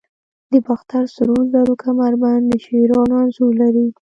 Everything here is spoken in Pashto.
د باختر سرو زرو کمربند د شیرانو انځور لري